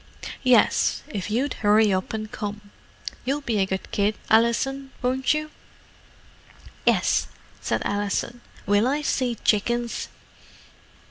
"Yes, if you'd hurry up and come. You'll be a good kid, Alison, won't you?" "'Ess," said Alison. "Will I see tsickens?"